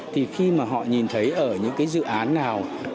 thì khi mà họ nhìn thấy ở những cái dự án nào